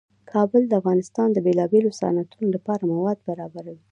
کابل د افغانستان د بیلابیلو صنعتونو لپاره مواد برابروي.